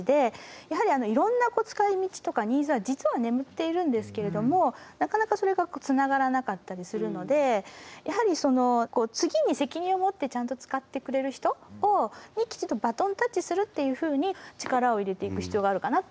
やはりいろんな使いみちとかニーズは実は眠っているんですけれどもなかなかそれがつながらなかったりするのでやはりその次に責任を持ってちゃんと使ってくれる人にきちんとバトンタッチするっていうふうに力を入れていく必要があるかなと思います。